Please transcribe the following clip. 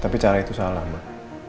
tapi cara itu salah mbak